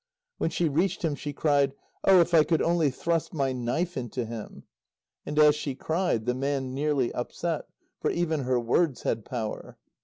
When she reached him, she cried: "Oh, if I could only thrust my knife into him." And as she cried, the man nearly upset for even her words had power.